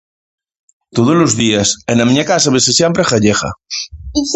Tódolos días e na miña casa vese siempre a ghallegha.